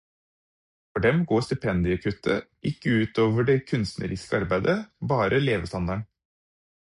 For dem går stipendiekuttet ikke ut over det kunstneriske arbeidet, bare levestandarden.